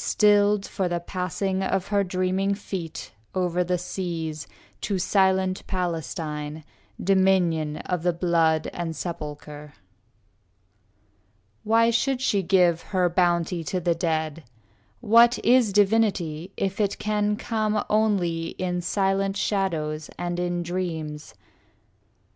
Stilled for the passing of her dreaming feet Over the seas, to silent Palestine, Dominion of the blood and sepulchre. II Why should she give her bounty to the dead? What is divinity if it can come Only in silent shadows and in dreams?